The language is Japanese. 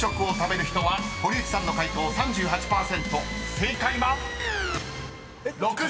［正解は⁉］